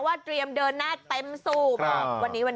คุณผู้ชมครับคุณผู้ชมครับ